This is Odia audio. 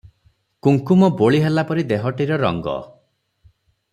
କୁଙ୍କୁମ ବୋଳି ହେଲା ପରି ଦେହଟିର ରଙ୍ଗ ।